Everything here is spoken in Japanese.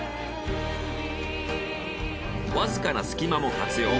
わずかな隙間も活用。